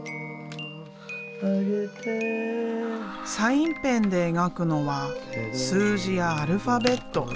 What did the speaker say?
サインペンで描くのは数字やアルファベット。